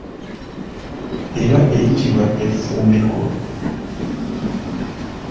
Eba eyitibwa effumbiko.